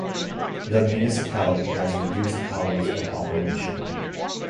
The municipality has reduced hours of operation.